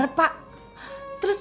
tidak ada yang ngerti